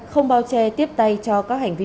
không bao che tiếp tay cho các hành vi